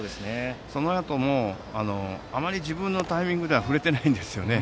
そのあともあまり自分のタイミングではバットを振れていないんですよね。